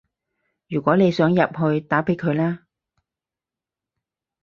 如果你想入去，打畀佢啦